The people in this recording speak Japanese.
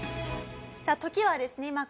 さあ時はですね